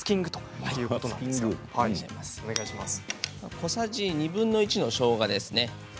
小さじ２分の１のしょうがですね。